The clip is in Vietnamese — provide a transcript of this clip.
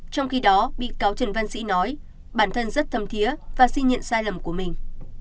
trong khi đó bị cáo trần văn sĩ nói bản thân rất thâm thiế và suy nhận sai lầm của mình